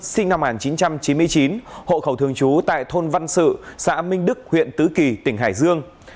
sinh năm một nghìn chín trăm chín mươi chín hộ khẩu thường trú tại thôn văn sự xã minh đức huyện tứ kỳ tỉnh hải dương